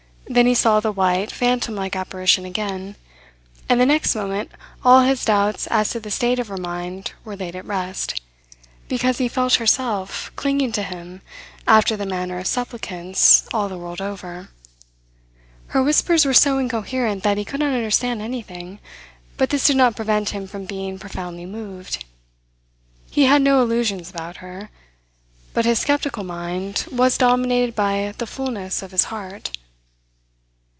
Then he saw the white, phantom like apparition again; and the next moment all his doubts as to the state of her mind were laid at rest, because he felt her clinging to him after the manner of supplicants all the world over. Her whispers were so incoherent that he could not understand anything; but this did not prevent him from being profoundly moved. He had no illusions about her; but his sceptical mind was dominated by the fulness of his heart.